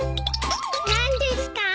何ですか？